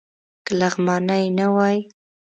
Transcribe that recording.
که لغمانی نه وای.